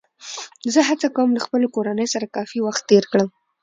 زه هڅه کوم له خپلې کورنۍ سره کافي وخت تېر کړم